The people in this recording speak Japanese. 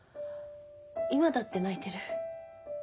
今だって泣いてる。